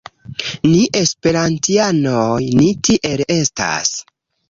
Ni esperantianoj, ni tiel estas